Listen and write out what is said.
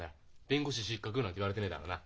「弁護士失格」なんて言われてねえだろうな？